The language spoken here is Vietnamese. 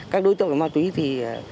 các đối tượng ma tuế